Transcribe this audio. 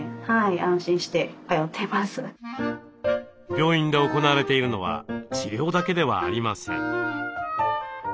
病院で行われているのは治療だけではありません。